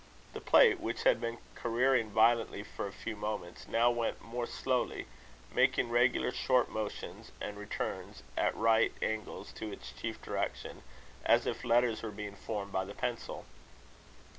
The plate, which had been careering violently for a few moments, now went more slowly, making regular short motions and returns, at right angles to its chief direction, as if letters were being formed by the pencil.